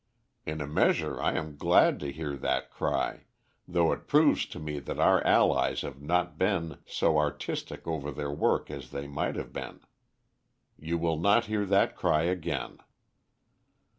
In a measure I am glad to hear that cry, though it proves to me that our allies have not been so artistic over their work as they might have been. You will not hear that cry again."